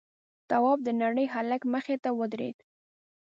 تواب د نري هلک مخې ته ودرېد: